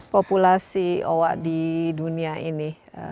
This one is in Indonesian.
populasi owa di dunia ini